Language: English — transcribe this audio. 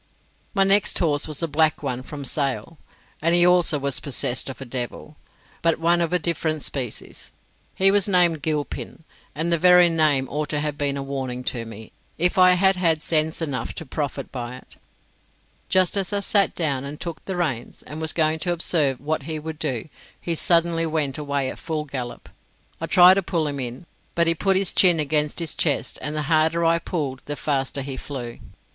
My next horse was a black one from Sale, and he also was possessed of a devil, but one of a different species. He was named Gilpin, and the very name ought to have been a warning to me if I had had sense enough to profit by it. Just as I sat down, and took the reins, and was going to observe what he would do, he suddenly went away at full gallop. I tried to pull him in, but he put his chin against his chest, and the harder I pulled the faster he flew.